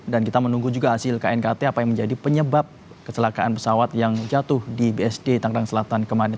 dan kita menunggu juga hasil knkt apa yang menjadi penyebab kecelakaan pesawat yang jatuh di bsd tangerang selatan kemarin